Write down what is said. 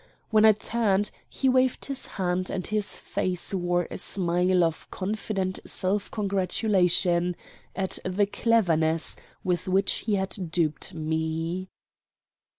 When I turned, he waved his hand, and his face wore a smile of confident self congratulation at the cleverness with which he had duped me.